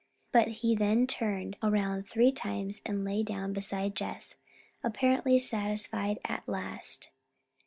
But he then turned around three times and lay down beside Jess, apparently satisfied at last.